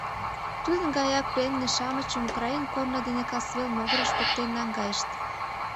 Тудын гаяк пленный-шамычым украин корно дене касвел могырыш поктен наҥгайышт.